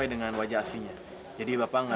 dengan kegiatan micro